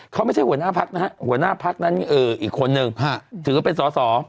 เขาไม่ใช่หัวหน้าพักนะฮะหัวหน้าพักนั้นอีกคนนึงถือว่าเป็นสอสอ